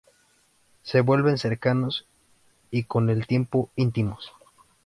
Se vuelven cercanos, y con el tiempo íntimos.